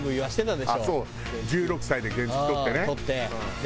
１６歳で原付き取ってね。